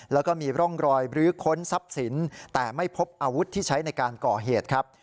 แล้วก็มีร่องรอยบรื้อค้นทรัพย์สินแต่ไม่พบอาวุธที่ใช้ในการก่อเหตุครับ